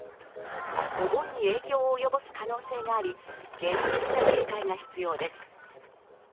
お盆に影響を及ぼす可能性があり、厳重な警戒が必要です。